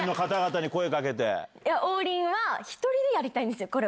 王林は、１人でやりたいんですよ、これを。